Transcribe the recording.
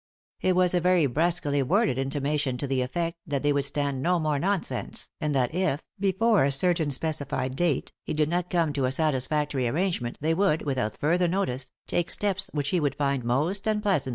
It was a very brusquely worded intimation to the effect that they would stand no mere nonsense, and that if, beiore a certain specified date, he did not come to a satisfactory arrangement, they would, without further notice, take steps which he would find most unpleasant.